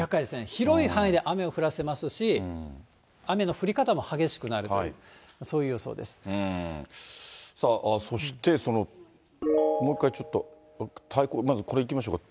広い範囲で雨を降らせますし、雨の降り方も激しくなるという、そさあ、そして、もう一回ちょっとまず、これいきましょうか。